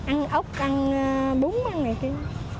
ăn ốc ăn bún ăn này kia